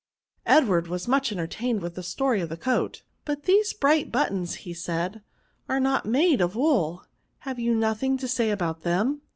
Edward was much entertained vdth the story of the coat :*' But these bright but tons," said he, " are not made of wool ; have you nothing to say about them